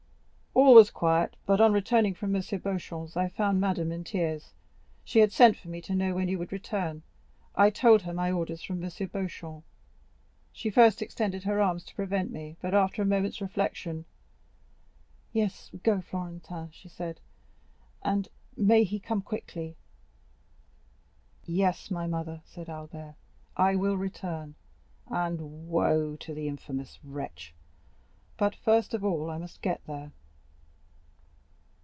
"All was quiet, but on returning from M. Beauchamp's, I found madame in tears; she had sent for me to know when you would return. I told her my orders from M. Beauchamp; she first extended her arms to prevent me, but after a moment's reflection, 'Yes, go, Florentin,' said she, 'and may he come quickly.'" "Yes, my mother," said Albert, "I will return, and woe to the infamous wretch! But first of all I must get there."